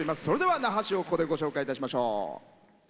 それでは那覇市をご紹介いたしましょう。